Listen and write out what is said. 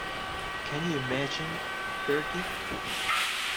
Can you imagine, Bertie?